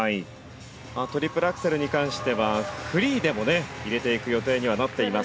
トリプルアクセルに関してはフリーでもね入れていく予定にはなっています。